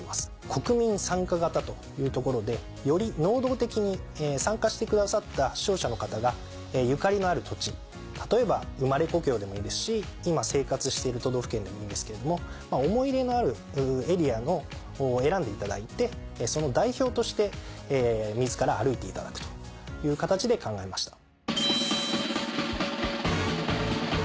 国民参加型というところでより能動的に参加してくださった視聴者の方がゆかりのある土地例えば生まれ故郷でもいいですし今生活している都道府県でもいいんですけれども思い入れのあるエリアを選んでいただいてその代表として自ら歩いていただくという形で考えました。